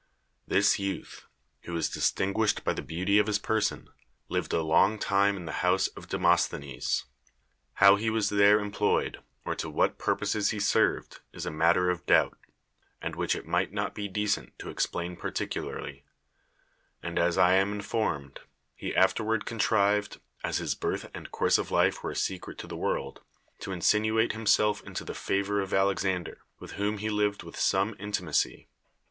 This youth, who v. as distinguished by the beauty of his person, lived a long time in the house of Demosthenes; how he was there em ployed, or to what purposes he served, is a mat ter of doubt, and which it might not be decent to explain particulai Iy : and, as I am informed, he afterward contrived (as his birth and course of life were a secret to the world) to insinuate him self into the favor of Alexander, with whom he lived with some intimacy.